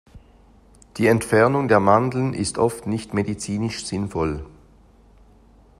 Die Entfernung der Mandeln ist oft nicht medizinisch sinnvoll.